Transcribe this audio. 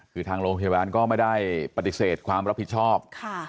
คือทางโรงพยาบาลก็ไม่ได้ปฏิเสธความรับผิดชอบ